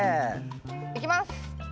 いきます。